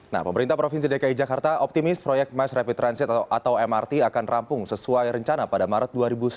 nah pemerintah provinsi dki jakarta optimis proyek mass rapid transit atau mrt akan rampung sesuai rencana pada maret dua ribu sembilan belas